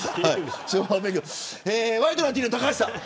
ワイドナティーンの高橋さん。